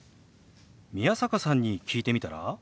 宮坂さんに聞いてみたら？